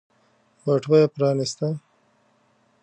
بټوه يې پرانيسته.